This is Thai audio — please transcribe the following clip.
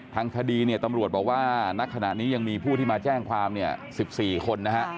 ทางคดีตำรวจบอกว่าณขณะนี้ยังมีผู้ที่มาแจ้งความ๑๔คน